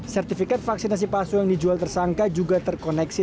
sertifikat vaksinasi palsu yang dijual tersangka juga terkoneksi